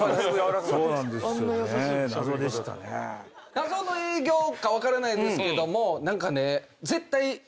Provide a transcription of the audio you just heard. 謎の営業か分からないんですけども何か。